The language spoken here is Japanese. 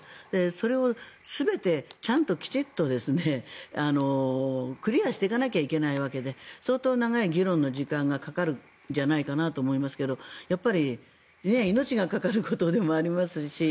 それを全て、きちんとクリアしていかないといけないわけで相当長い議論の時間がかかるんじゃないかなと思いますけど命がかかることでもありますし